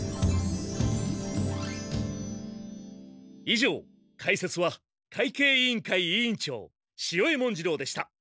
以上解説は会計委員会委員長潮江文次郎でした。